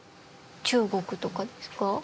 中国とかですか？